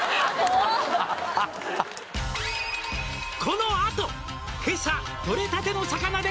わっ「このあと今朝とれたての魚で」